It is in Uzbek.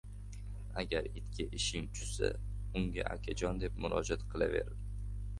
• Agar itga ishing tushsa, unga “akajon” deb murojaat qilaver.